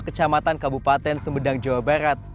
kecamatan kabupaten sumedang jawa barat